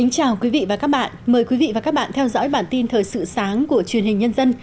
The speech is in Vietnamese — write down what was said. cảm ơn các bạn đã theo dõi và ủng hộ cho bản tin thời sự sáng của truyền hình nhân dân